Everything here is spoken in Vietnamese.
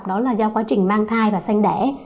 đó là do quá trình mang thai và xanh đẻ